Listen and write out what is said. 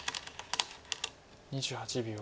２８秒。